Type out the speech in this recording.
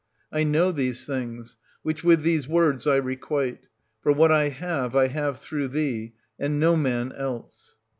I know these things, which with these words I requite ; for what I have, I have through thee, and no man else.